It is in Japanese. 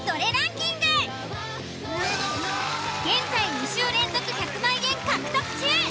現在２週連続１００万円獲得中！